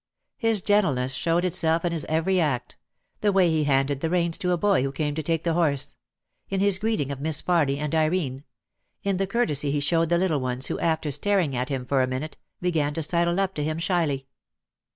His gentleness showed itself in his every act, the way he handed the reins to a boy who came to take the horse, in his greeting of Miss Farly and Irene, in the courtesy he showed the little ones who after staring at him for a minute, began to sidle up to him shyly.